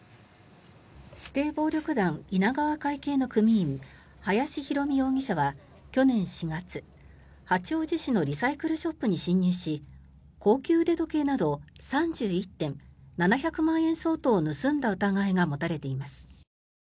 指定暴力団稲川会系の組員林弘美容疑者は去年４月八王子市のリサイクルショップに侵入し高級腕時計など３１点７００万円相当を盗んだ疑いが持たれています。